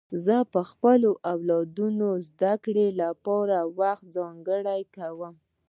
زه د خپلو اولادونو د زدهکړې لپاره وخت ځانګړی کوم.